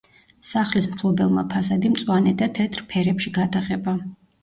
სახლის მფლობელმა ფასადი მწვანე და თეთრ ფერებში გადაღება.